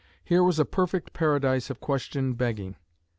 Here was a perfect paradise of question begging.